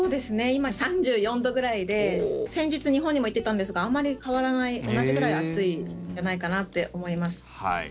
今、３４度ぐらいで先日日本にも行っていたんですがあまり変わらない同じぐらい暑いんじゃないかなと思います。